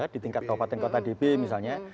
di tingkat kabupaten kota db misalnya